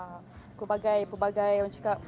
hai pelbagai pelbagai yang cekah